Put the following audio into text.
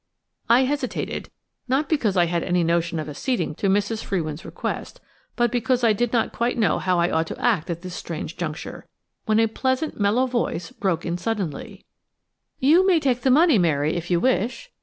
I hesitated, not because I had any notion of acceding to Mrs. Frewin's request, but because I did not quite know how I ought to act at this strange juncture, when a pleasant, mellow voice broke in suddenly: "You may take the money, Mary, if you wish.